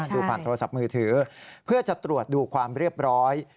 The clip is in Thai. ดูผ่านโทรศัพท์มือถือเพื่อจะตรวจดูความเรียบร้อย